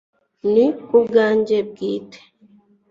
ni kubwanjye bwite